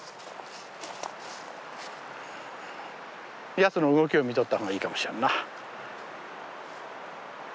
やつの動きを見とった方がいいかもしらんな。